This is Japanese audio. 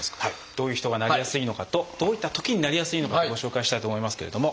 どういう人がなりやすいのかとどういったときになりやすいのかご紹介したいと思いますけれども。